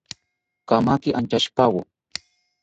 Kamaki anchashipawo